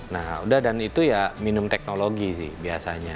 nah udah dan itu ya minum teknologi sih biasanya